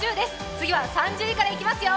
次は３０位からいきますよ。